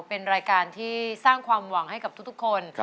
เป็นรายการที่สร้างความหวังให้กับทุกคน